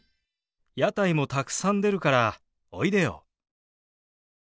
屋台もたくさん出るからおいでよ。